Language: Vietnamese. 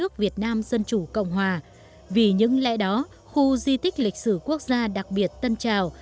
chủ cộng hòa vì những lẽ đó khu di tích lịch sử quốc gia đặc biệt tân trao